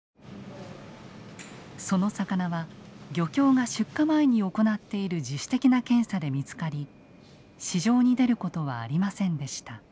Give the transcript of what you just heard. その魚は漁協が出荷前に行っている自主的な検査で見つかり市場に出ることはありませんでした。